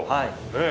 ねえ。